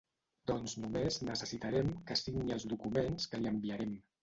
Doncs només necessitarem que signi els documents que li enviarem.